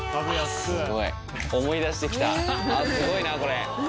すごいなこれ。